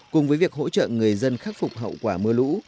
cùng với việc hỗ trợ người dân khắc phục hậu quả mưa lũ